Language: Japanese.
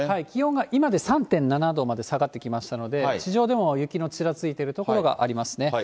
気温が今で３．７度まで下がってきましたので、地上でも雪のちらついている所ありますね。